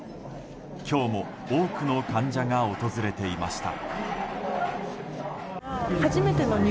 今日も多くの患者が訪れていました。